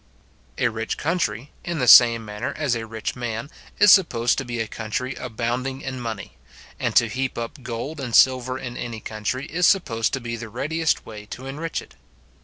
A rich country, in the same manner as a rich man, is supposed to be a country abounding in money; and to heap up gold and silver in any country is supposed to be the readiest way to enrich it.